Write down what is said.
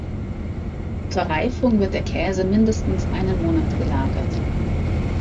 Zur Reifung wird der Käse mindestens einen Monat gelagert.